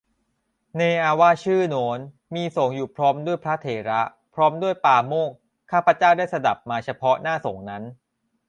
ในอาวาสชื่อโน้น มีสงฆ์อยู่พร้อมด้วยพระเถระ พร้อมด้วยปาโมกข์ ข้าพเจ้าได้สดับมาเฉพาะหน้าสงฆ์นั้น